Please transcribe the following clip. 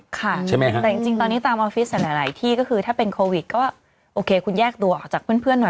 ค่ะใช่ไหมครับแต่จริงตอนนี้ตามออฟฟิศหลายที่ก็คือถ้าเป็นโควิดก็โอเคคุณแยกตัวออกจากเพื่อนหน่อย